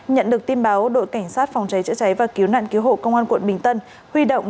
nhận được tin báo đội cảnh sát phòng cháy chữa cháy và cứu nạn cứu hộ công an quận bình tân huy động